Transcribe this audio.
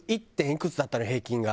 いくつだったの平均が。